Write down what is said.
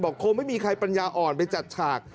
คงไม่มีใครปัญญาอ่อนไปจัดฉาก